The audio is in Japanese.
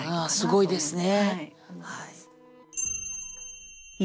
すごいですね。